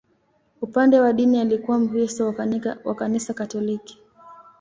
Upande wa dini, alikuwa Mkristo wa Kanisa Katoliki.